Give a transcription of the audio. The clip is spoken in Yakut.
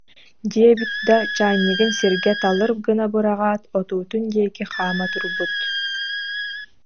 диэбит да, чаанньыгын сиргэ талыр гына быраҕаат, отуутун диэки хаама турбут